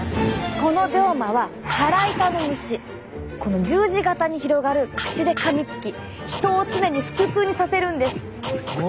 この病魔はこの十字形に広がる口でかみつき人を常に腹痛にさせるんです。